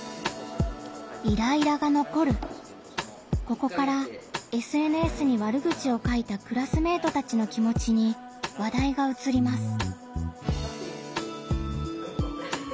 ここからＳＮＳに悪口を書いたクラスメートたちの気もちに話題がうつります。